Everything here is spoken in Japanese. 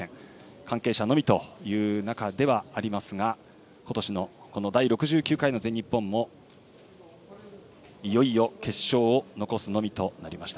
関係者のみという中ではありますが今年の第６９回の全日本もいよいよ決勝を残すのみとなりました。